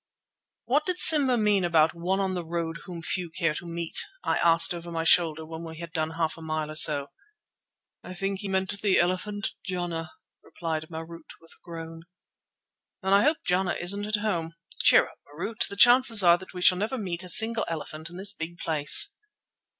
"What did Simba mean about 'one on the road whom few care to meet'?" I asked over my shoulder when we had done half a mile or so. "I think he meant the elephant Jana," replied Marût with a groan. "Then I hope Jana isn't at home. Cheer up, Marût. The chances are that we shall never meet a single elephant in this big place."